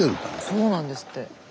そうなんですって。